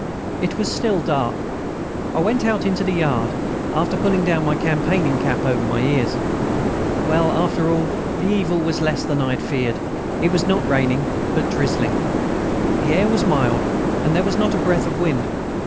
It was still dark. I went out into the yard, after pulling down my campaigning cap over my ears. Well, after all, the evil was less than I had feared. It was not raining, but drizzling. The air was mild, and there was not a breath of wind.